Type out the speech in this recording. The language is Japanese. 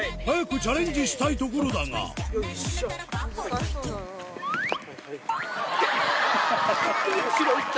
早くチャレンジしたいところだがよいしょ。